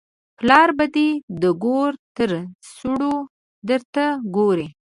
پلار به دې د ګور تر سوړو درته ګوري.